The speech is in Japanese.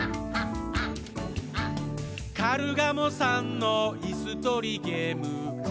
「カルガモさんのいすとりゲーム」